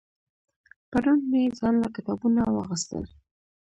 پرون مې ځان له کتابونه واغستل